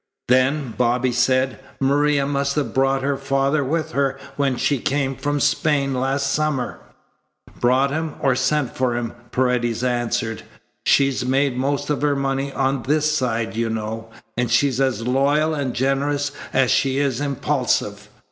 "Then," Bobby said, "Maria must have brought her father with her when she came from Spain last summer." "Brought him or sent for him," Paredes answered. "She's made most of her money on this side, you know. And she's as loyal and generous as she is impulsive.